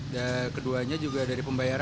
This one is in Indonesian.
dan keduanya juga dari pembayaran